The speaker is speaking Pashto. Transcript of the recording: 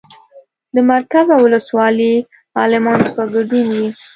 د مرکز او ولسوالۍ عالمانو په ګډون وي.